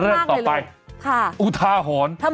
เรื่องต่อไปอุทาหรณ์